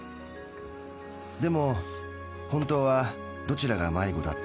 でも本当はどちらが迷子だったのでしょう？